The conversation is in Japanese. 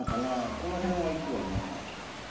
この辺はいくわな。